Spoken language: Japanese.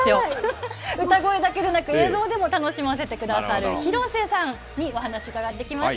歌声だけじゃなく、映像でも楽しませてくださる、広瀬さんに、お話伺ってきました。